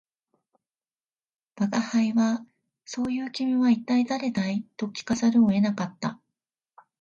吾輩は「そう云う君は一体誰だい」と聞かざるを得なかった